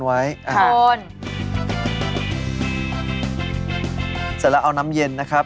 เสร็จแล้วเอาน้ำเย็นนะครับ